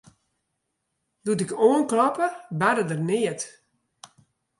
Doe't ik oankloppe, barde der neat.